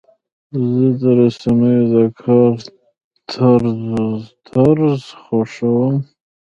زه د رسنیو د کار طرز خوښوم.